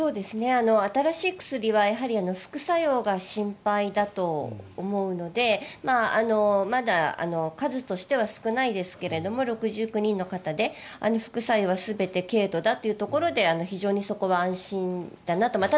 新しい薬は副作用が心配だと思うのでまだ数としては少ないですが６９人の方で副作用は全て軽度だというところで非常にそこは安心かなと。